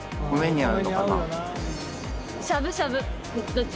どっち？